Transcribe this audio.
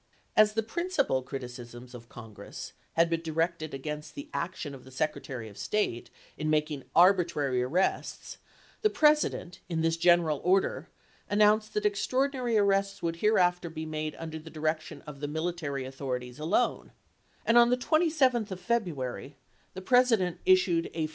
As the principal criticisms of Congress had been directed against the action of the Secretary of State, in making arbitrary arrests, the President, in this general order, announced that extraordinary arrests would hereafter be made under the direc tion of the military authorities alone ; and on the 27th of February the President issued a further Raymond, " Life of Abraham Lincoln," pp.